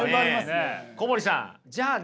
小堀さんじゃあね